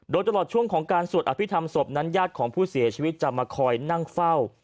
โดยตลอดช่วงของการสวดอภิษฐรรมศพนั้นญาติของผู้เสียชีวิตจะมาคอยนั่งเฝ้า